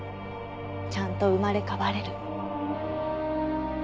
ちゃんと生まれ変われる。